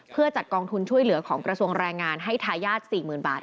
เพื่อจัดกองทุนช่วยเหลือของกระทรวงแรงงานให้ทายาท๔๐๐๐บาท